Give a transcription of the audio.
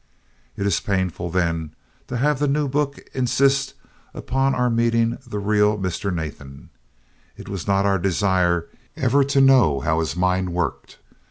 It is painful, then, to have the new book insist upon our meeting the real Mr. Nathan. It was not our desire ever to know how his mind worked.